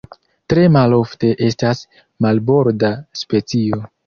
Tre malofte estas marborda specio.